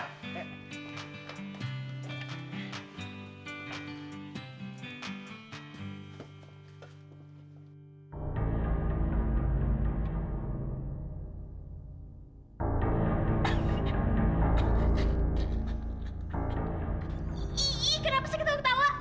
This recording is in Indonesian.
ih kenapa sih ketawa ketawa